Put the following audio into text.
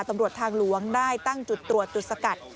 ตำรวจทางหลวงได้ตั้งจุดตรวจจุดสกัด